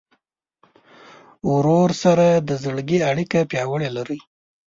ورور سره د زړګي اړیکه پیاوړې لرې.